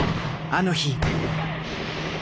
あの日。